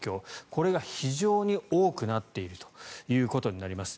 これが非常に多くなっているということになります。